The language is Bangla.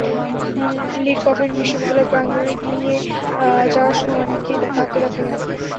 লির কফিন বিশ্ববিদ্যালয় প্রাঙ্গণে নিয়ে যাওয়ার সময় অনেককেই কাঁদতে দেখা যায়।